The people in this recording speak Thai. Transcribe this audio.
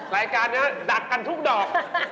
รายการนี้ดักกันทุกดอก